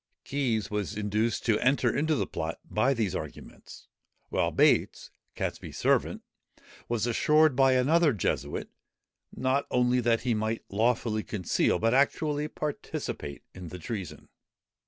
Keys was induced to enter into the plot by these arguments; while Bates, Catesby's servant, was assured by another Jesuit, not only that he might lawfully conceal, but actually participate in the treason.